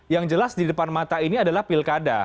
yang jelas di depan mata ini adalah pilkada